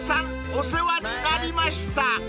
お世話になりました］